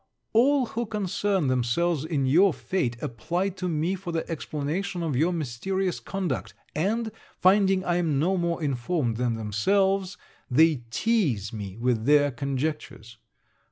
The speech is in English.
All who concern themselves in your fate, apply to me for the explanation of your mysterious conduct; and, finding I am no more informed than themselves, they teaze me with their conjectures.